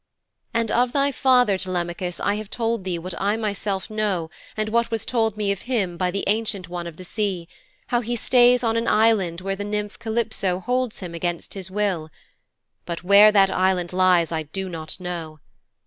'And of thy father, Telemachus, I have told thee what I myself know and what was told me of him by the Ancient One of the Sea how he stays on an Island where the nymph Calypso holds him against his will: but where that Island lies I do not know.